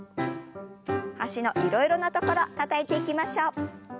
脚のいろいろな所たたいていきましょう。